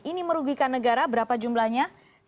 ini merugikan negara berapa jumlahnya